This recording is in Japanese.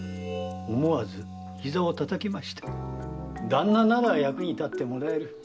旦那なら役に立ってもらえる。